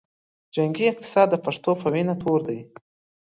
جنګي اقتصاد د پښتنو پۀ وینه تود دے